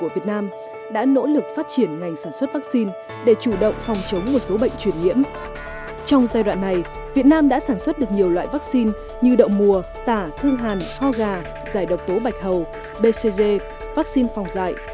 việt nam đã sản xuất được nhiều loại vắc xin như đậu mùa tả thương hàn ho gà giải độc tố bạch hầu bcg vắc xin phòng dạy